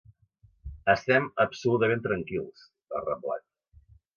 Estem absolutament tranquils, ha reblat.